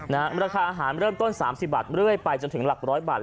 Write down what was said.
ราคาอาหารเริ่มต้น๓๐บาทเรื่อยไปจนถึงหลักร้อยบาท